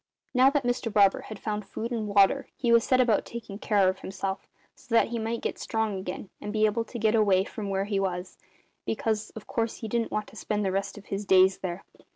"Now that Mr Barber had found food and water he set about taking care of himself, so that he might get strong again and be able to get away from where he was because, of course, he didn't want to spend the rest of his days there.